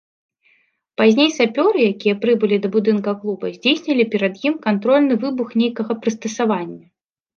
Пазней сапёры, якія прыбылі да будынка клуба, здзейснілі перад ім кантрольны выбух нейкага прыстасавання.